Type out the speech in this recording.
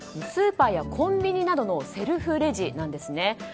スーパーやコンビニなどのセルフレジなんですね。